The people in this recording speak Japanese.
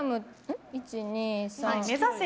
１、２、３。